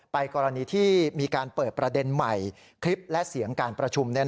กรณีที่มีการเปิดประเด็นใหม่คลิปและเสียงการประชุม